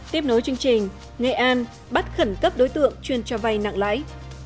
tiếp nối chương trình nghệ an bắt khẩn cấp đối tượng chuyên cho vay nặng lãi